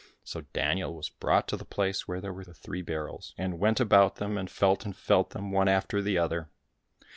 So Daniel was brought to the place where were the three barrels, and went about them and felt and felt them one after the other.